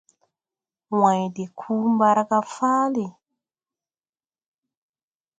Wãyn de kuu mbarga fáale.